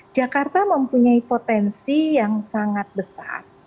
jakarta mempunyai potensi yang sangat besar